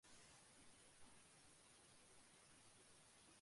これが我々の生活の根本的な形式である。